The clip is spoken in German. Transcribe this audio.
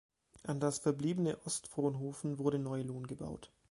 An das verbliebene Ost-Fronhoven wurde Neu-Lohn gebaut.